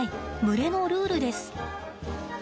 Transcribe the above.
群れのルールです。